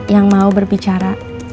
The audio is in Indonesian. yang mau berbicara